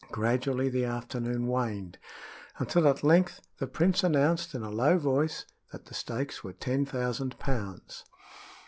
Gradually the afternoon waned, until at length the prince announced in a low voice that the stakes were ten thousand pounds.